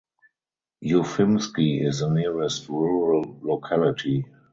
Ufimsky is the nearest rural locality.